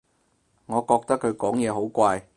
我覺得佢講嘢好怪